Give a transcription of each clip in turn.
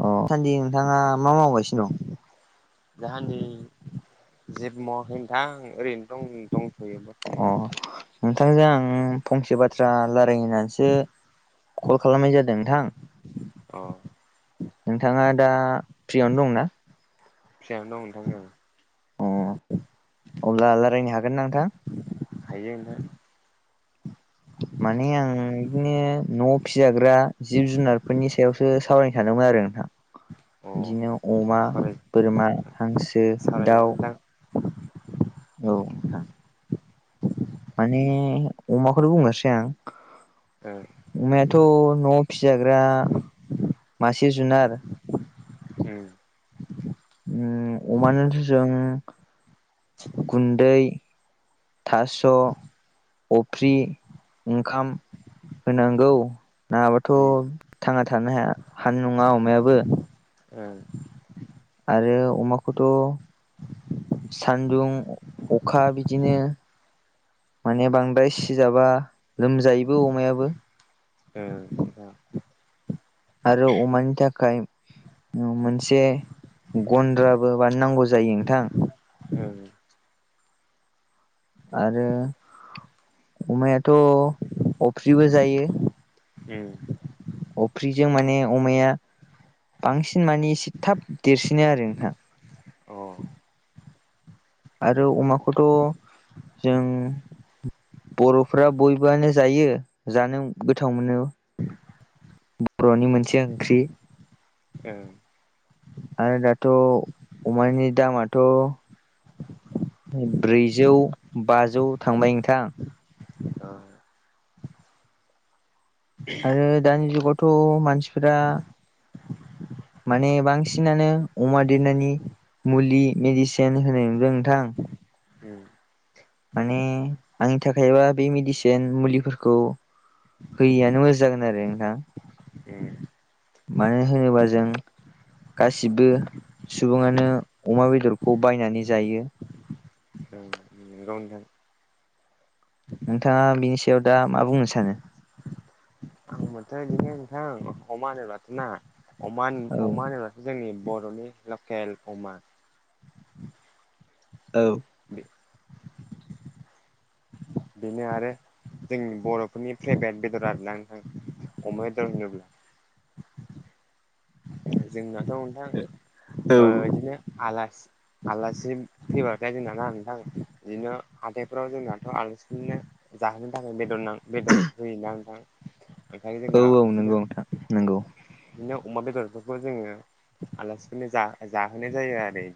अ सान्दि नोंथाङा मा मावगासिनो दं। दाहानदि जिबो मावाखै नोंथां ओरैनो दं नै। दंथ'योबा अ नोंथांजों आङो फंसे बाथ्रा रायलाय होननानैसो कल खालामनाय जादों नोंथां। अ नोंथाङा दा फ्रियावनो दंना? फ्रियावनो दं नोंथां औ। अ अब्ला राय्लायनो हागोना नोंथां हायो नोंथां। माने आं बिदिनो न' फिजाग्रा जिब जुनारफोरनि सायावसो सावरायनो थादोंमोन आरो नोंथां। बिदिनो अ अमा सावराय बोरमा हांसो दाउ सावरायजागोन नोंथां औ नोंथां। माने अमाखौनो बुंनोसै आं। ओ अमा आथ' न'आव फिजाग्रा मासे जुनार ओं उम अमानोथ' जों गुन्दै थास' अफ्रि ओंखाम होनांगौ नाङाबाथ' उम थांना थानो हाया हानाय नङा अमायाबो ओ आरो अमाखौथ' सानदुं अखा बिदिनो माने बांद्राय सिजाबा लोमजायोबो अमायाबो ओ नोंथां आरो अमानि थाखाय मोनसे गन्द्राबो मानो नांगौ जायो नोंथां। ओ आरो अमायाथ' अफ्रिबो जायो। उम अफ्रिजों माने अमाया बांसिन माने एसे थाब देरसिनो आरो नोंथां। अ आरो अमाखौथ' जों बर'फ्रा बयबोआनो जायो जानो गोथाव मोनो। बर'नि मोनसे ओंख्रि औ आरो दाथ' अमानि दामाथ' ब्रैजौ बाजौ थांबाय नोंथां। नोंथां आरो दानि जुगावथ' मानसिफोरा माने बांसिनानो अमा देरनायनि मुलि मेडिसिन होनाय नुदों नोंथां माने आंनि थाखायबा बे मेडिसिन मुलिफोरखौ होैयानो मोजां जागोन आरो नोंथां। मानो होनोबा जों गासिबो सुबुङानो अमा बेदरखौ बायनानै जायो। नगौ नोंथां। नोंथाङा बिनि सायाव दा मा बुंनो सानो? होनबाथाय बिदिनो नोंथां अमा होनोब्ला ना अमा औ अमानो जोंनि बर'नि लकेल अमा औ [inaudible] बेनो आरो जोंनि बर'फोरनि फ्रेबेट बेदर आरोना नोंथां अमा बेदर होनोब्ला। जोंनाथ' नोंथां औ ओ इदिनो आलासि आलासि फैबाथाय जोंना ना नोंथां दिनो हाथायफ्राव जोंनाथ' आलासिनो जाहोनो थाखाय बेदर नां बेदर होयोना नोंथां? बेखायनो औ जोंना औ इदिनो नंगौ नोंथां नंगौ दिनो अमा बेदरफोरखौ जोङो आलासिफोरनो जा-जाहोनाय जायो आरो।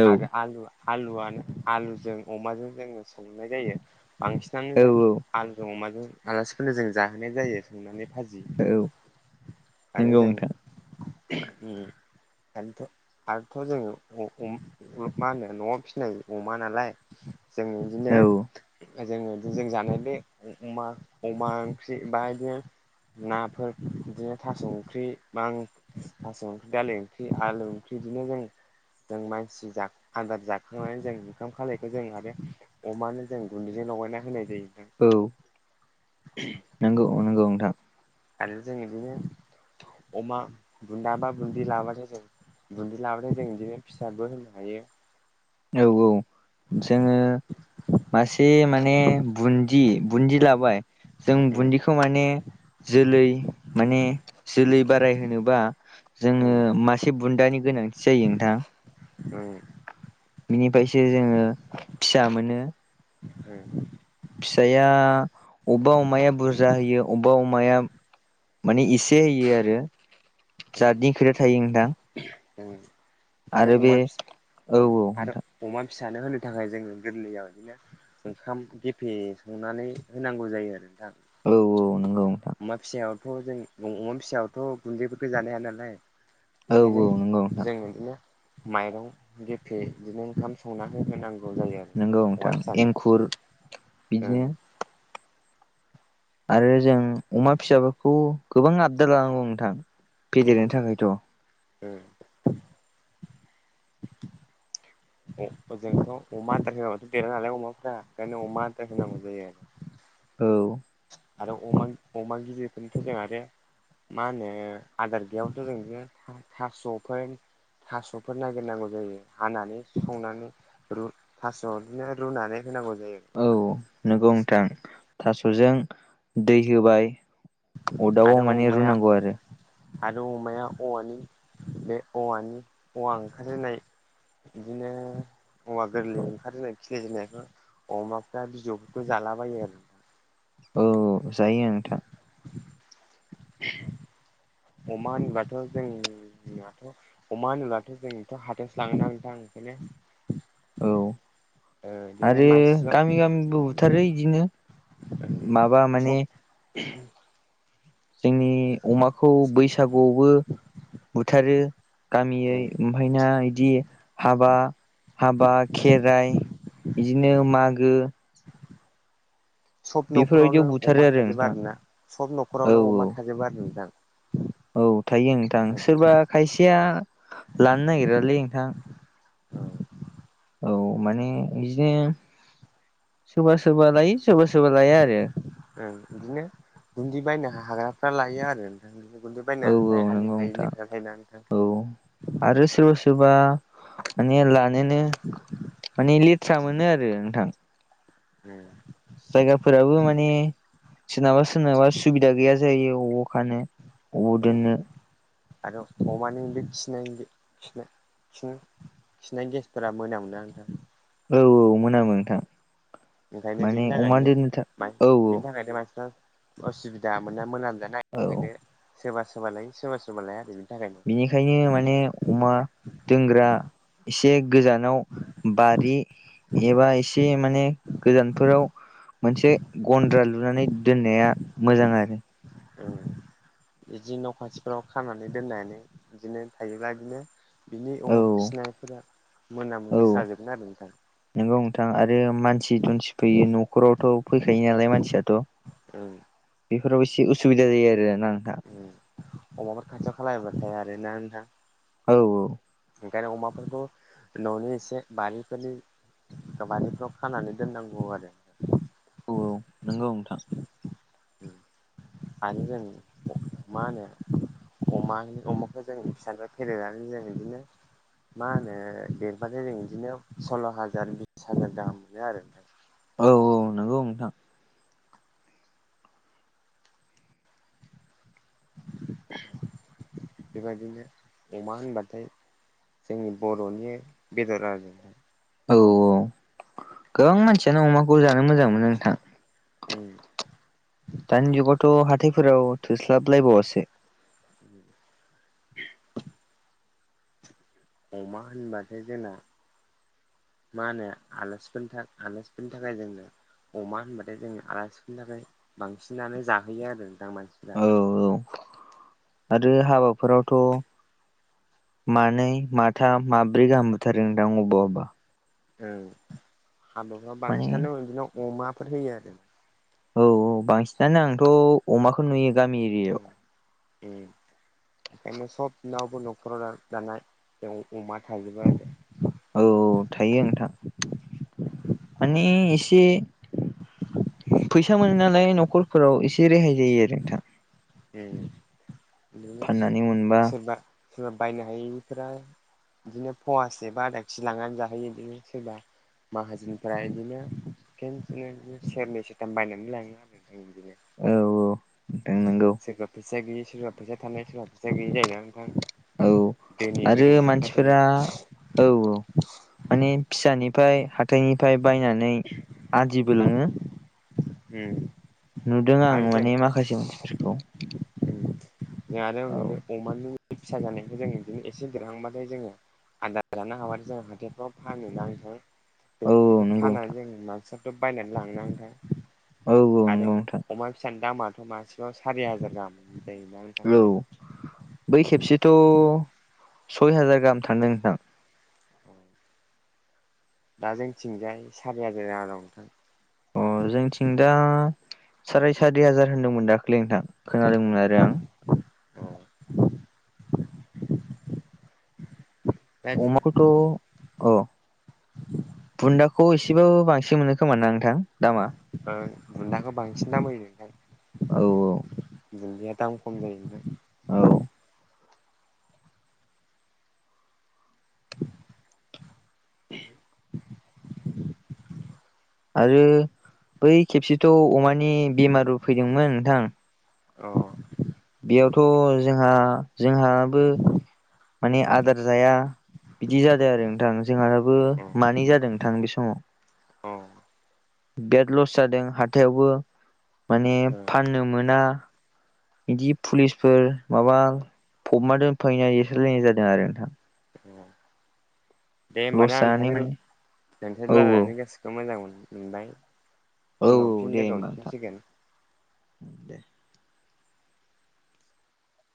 औ आरो आलु आलुआनो आलुजों अमाजों जोङो संनाय जायो। बांसिनानो औ जों आलुजों अमाजों आलासिफोरनो जों जाहोनाय जायो। एवनानै भाजि औ आरो नंगौ जों नोंथां [unintelligible] आरोथ' जों अ अम ओ मा होनो न'आव फिनाय अमा नालाय जों इदिनो औ जोङो जों जानाय बे अमा अमा ओंख्रि बा इदिनो नाफोर इदिनो थास' ओंख्रि बां थास' ओंख्रि दालि ओंख्रि आलु ओंख्रि इदिनो जों जों मानसि जाख आदार जाखांनानै जों ओंखाम खालायखौ जों आरो अमानो जों गुन्दैजों लगायना होनाय जायो नोंथां। औ नोंगौ नोंगौ नोंथां। आरो जों इदिनो अमा बुन्दा बा बुन्दि लाबाथाय जों बुन्दि लाबाथाय जों इदिनो फिसाबो होनो हायो। औ औ जोङो मासे माने बुन्दि बुन्दि लाबाय जों बुन्दिखौ माने जोलै माने जोलै बाराय होनोबा उम जोङो मासे बुन्दानि गोनांथि जायो नोंथां। उम बिनिफायसो जोङो फिसा मोनो। उम फिसाया अब्बा अमाया बुरजा होयो अब्बा अमाया माने इसे होयो आरो जातनि खोथा थायो नोंथां। ओं। आरो अमा फिस औ औ आरो नोंथां अमा फिसानो होनो थाखाय जोङो गोरलैयाव इदिनो ओंखाम गेफे संनानै होनांगौ जायो आरो औ नोंथां। नंगौ नोंथां अमा फिसायावथ' जों उम अमा फिसायावथ' गुन्दैफोरखो जानो हाया नालाय औ ओंखायनो नंगौ नोंथां जों इदिनो माइरं गेफे दिनो ओंखाम संनानै होहोनांगौ जायो आरो। नोंगौ अमा नोंथां फिसानो एंखुर बिदिनो आरो जों अमा फिसाफोरखौ गोबां आबदार लानांगौ नोंथां। उम फेदेरनो थाखायथ' उम [inaudible] अ जोंथ' अमा आदार होआबाथ' देरा नालाय अमाफोरा ओंखायनो अमा आदार होनांगौ जायो आरो। औ आरो अमा अमा गिदिरफोरनिथ' जों आरो मा होनो आदार गैयाबाथ' जों [unintelligible] थास'फोन थास'फोर नागिरनांगौ जायो हानानै संनानै रु थास' बिदिनो रुनानै होनांगौ जायो। औ माने नोंगौ नोंथां थास'जों दै होबाय अरदाबाव आरो माने अमाया रुनांगौ आरो आरो अमाया औवानि बे औवानि औवा ओंखारहोनाय बिदिनो औवा गोरलै ओंखारजाय खिलिजेननायखौ अमाफ्रा बिजौफोरखौ जालाबायो आरो औ जायो नोंथां [inaudible] अमा होनोबाथ' जोंनाथ' अमा होनोब्लाथ' जोंथ' हाथायावसो लाङोना नोंथां ओंखायनो औ ओ बिदिनो आरो मानसिफ्रा गामि गामिबो बुथारो बिदिनो माबा माने उह जोंनि अमाखौ बैसागुआवबो बुथारो गामियै ओ ओमफायना इदि हाबा हाबा खेराइ बिदिनो मागो सब बेफोरबायदियाव न'खरावनो बुथारो अमा आरो थाजोबा नोंथां आरोना सब औ न'खरावनो अमा थाजोबा आरो नोंथां औ थायो नोंथां सोरबा खायसेया लानो नागिरालै नोंथां औ औ माने बिदिनो सोरबा सोरबा लायो सोरबा सोरबा लाया आरो ओं बिदिनो गुन्दै बायनो हाग्राफ्रा लायो आरो गुन्दै औ बायनो हानाय औ हानि नंगौ नोंथां हायैनि खोथा थायोना नोंथां औ आरो सोरबा सोरबा माने लानोनो माने लेथ्रा मोनो आरो नोंथां उम जायगाफोराबो माने सोरनाबा सोरनाबा सुबिदा गैया जायो अ खानो बबाव औ दोननो आरो अमानि बे खिनाय खिनाय खिन-खिनाय गेसफोरा मोनामोना नोंथां औ औ मोनामो नोंथां ओंखायनो माने बेनि अमा थाखायनो दोननो था मान औ बेनि थाखायनो मानसिफ्रा असुबिदा मोना मोनामजानायनि औ थाखायनो सोरबा सोरबा लायो सोरबा सोरबा लाया आरो बेनिखायनो माने अमा दोनग्रा एसे गोजानाव बारि थाखायनो एबा एसे माने गोजानफोराव मोनसे गन्द्रा लुनानै दोननाया मोजां आरो बिदि न' खाथिफ्राव खानानै दोननानै बिदिनो थायोब्ला बिदिनो बिनि औ अमा फिसिनायफोरा मोनाम औ गोसाजोबगोन आरो नोंथां नंगौ नोंथां आरो मानसि दसि दुुनसि फैयो न'खरावथ' फैखायो नालाय मानसियाथ' ओं बेफोराव एसे उसुबिदा जायो आरोना नोंथां अमाफोर खाारथियाव खालाथाय आरोना नोंथां औ औ ओंखायनो अमाफोरखौ न'नि एसे बारिफोरनि बारिफ्राव खानानै दोननांगौ आरो औ औ नंगौ नोंथां आरो जों मा होनो अमा अमाखौ जों फिसानिफ्राय फेरेनानै जों बिदिनो मा होनो देरबथाय जों बिदिनो सल्ल' हाजार बिस हाजार गाहाम मोनो आरो औ औ नंगौ नोंथां [inaudible] बेबायदिनो अमा होनबाथाय जोंनि बर'नि बेदर आरो औ औ गोबां मानसियानो अमाखौ जानो मोजां मोनो नोंथां [unintelligible] दानि जुगावथ' हाथायफोराव थोस्लाबलायबावासो। [inaudible] अमा होनबथायो जोंना मा होनोलाफोर थाखाय आलासिफोरनि थाखाय जोंनो अमा होनबाथाय जोंङ आलासिफोरनि थाखाय बांसिनानो जाहोयो आरो दा मानसिफ्रा। औ औ आरो हाबाफोरावथ' मानै माथाम माब्रै गाहामबोथारो नोंथां अबेबा अबा हाबाफ्राव माने बांसिनानो बिदिननो अमाफोर होयो आरो। औ औ बांसिनानो आंथ' अमाखौ नुयो गामि एरियायाव। उम ओंखायनो सबनावबो न'खराव दानाय ज अमा थाजबो आरो औ थायो नोंथां माने एसे [inaudible] फैसा मोनो नालाय न'खरफोराव एसे रेहाय जायो आरो नोंथां बिदिनो फाननानै मोनबा सोरबा सोरबा बायनो हायिफोरा बिदिनो फवासे बा आदा खि लांनानै जाहोयो बिदिनो सोरबा माहाजोननिफ्राय बिदिनो फेननोनो सेरनै सेरथाम बायनानै लाङो आरो ह गे औ औ नथों नंगौ सोरबा फैसा गैि सोरबा फैसा थानाय सोरबा फैसा गैयि जायोोना नोंथां औ धोनि आरो गोरिबनि खोथा थायो मानसिफोरा औ औ माने फिसानिफ्राय ह हथायनिफ्राय बायनानै आदिबो लोङो ह नुदों आं माने माखासे मानसिफोरखौ जों आरो औ बे अमानु फिसा जानायखौ जों बिदिनो एसे देरहांबाथाय जोङो आदार जान हाबाथथाय जों हाथायफ्राव फानो ना नोंथां। औ बे्रिखौ नंगौ नोंथां फानानानै जों मानसियाथ' बायनानै लांन आओथाय औ आरो नंगौ नोंथां अमा फिसानि दामाथ' मासेबाव सारि हाजार गाहाम जायोोन औ बै खेबसेथ' सय हाजार गाहाम थांदों नोंथां औ दा जोंथिंजाय सारि हाजार रा दंथां अ जोंथिं दा साराय सारि हाजार होनदोंमोन दाखालिै नोंथां खोनादोंमोन आरो आं। औ दा बिदिनो अमा खौथ' औ बुन्दाखौ एसेबाबो बांसिन मोनो खोमा ना नोंथां दामा ओ बुन्दाखौ बांसिन नामदोंथायाय औ बुनदीया दाम खम जायो औ [unintelligible] आरो बै खेबसेथ' अमानि बेमार फैदोंमोन नोंथां औ यावथ' जोंहा जोंहाबो माने आदार जाया बिदि जादों आरो नोंथां जोंहहाबो मानै जादों नोंथां बे समाव औ बिराद लस जादों हाथायावबो माने फाननो मोना बिदि पुलिसफोर माबा फबना दोनफैनाय एसायलायनाय जादों आरो। दे लस होमबाना जानानै नोंथ माने नोंथ औ औ रायलायनानै गासग बेखौ मोजां मोनबाय औ उनाव हमफिन दे लोगो होमबा नोंथां हमफिनसिगोन। दे